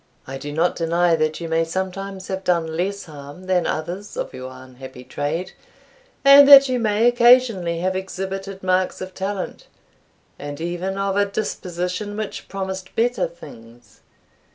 I do not deny that you may sometimes have done less harm than others of your unhappy trade, and that you may occasionally have exhibited marks of talent, and even of a disposition which promised better things.